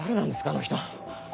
あの人。